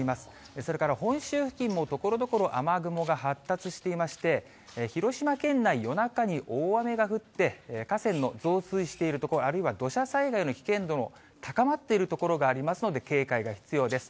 それから本州付近もところどころ、雨雲が発達していまして、広島県内、夜中に大雨が降って、河川の増水している所、あるいは土砂災害の危険度の高まっている所がありますので、警戒が必要です。